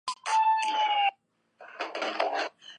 非洲狮白天大部分时间都横躺竖卧在树荫下或树上休息。